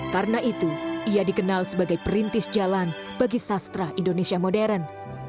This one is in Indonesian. karena itu ia dikenal sebagai perintis jalan bagi sastra indonesia modern